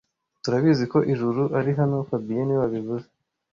Turabizi ko Juru ari hano fabien niwe wabivuze